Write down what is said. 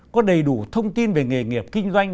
có đầy đủ thông tin về nghề nghiệp kinh doanh